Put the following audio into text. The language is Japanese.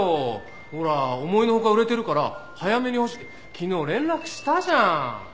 ほら思いの外売れてるから早めに欲しいって昨日連絡したじゃん。